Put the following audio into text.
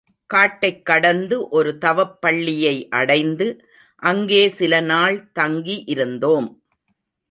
காட்டைக் கடந்து ஒரு தவப்பள்ளியை அடைந்து அங்கே சில நாள் தங்கி இருந்தோம்.